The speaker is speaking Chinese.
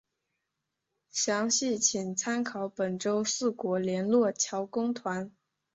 详细请参考本州四国联络桥公团。